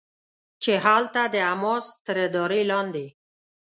چې هلته د حماس تر ادارې لاندې